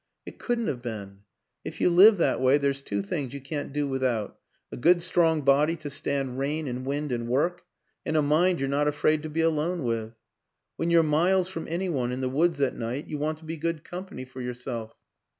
It couldn't have been. ... If you live that way there's two things you can't do without: a good strong body to stand rain and wind and work, and a mind you're not afraid to be alone with. When you're miles from any one, in the woods at night, you want to be good company for yourself.